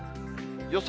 予想